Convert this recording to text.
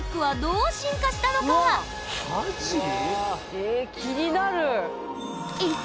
え気になる！